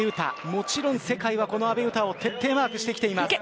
もちろん世界は、この阿部詩を徹底マークしています。